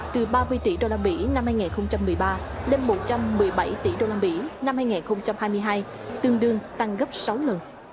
từ ba mươi tỷ đô la mỹ năm hai nghìn một mươi ba lên một trăm một mươi bảy tỷ đô la mỹ năm hai nghìn hai mươi hai tương đương tăng gấp sáu lần